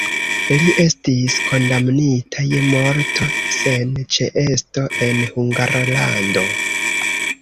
Li estis kondamnita je morto sen ĉeesto en Hungarlando.